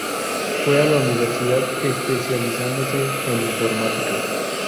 Fue a la universidad, especializándose en Informática.